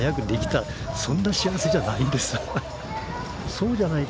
そうじゃない